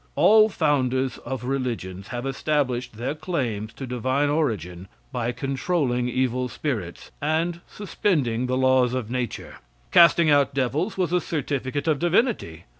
All founders of religions have established their claims to divine origin by controlling evil spirits and suspending the laws of nature. Casting out devils was a certificate of divinity.